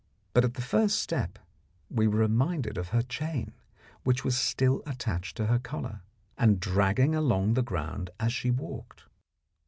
But at the first step we were reminded of her chain, which was still attached to her collar, and dragged along the ground as she walked.